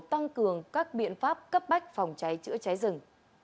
tăng cường các biện pháp cấp bách phòng cháy chữa cháy rừng